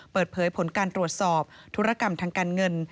เปิดเผยผลการตรวจสอบธุรกรรมทางการเงิน